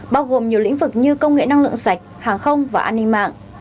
bao gồm nhiều lĩnh vực như công nghệ năng lượng sạch hàng không và an ninh mạng